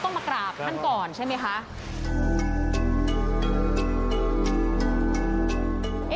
อ๋อต้องมากราบขั้นก่อนใช่ไหมค่ะ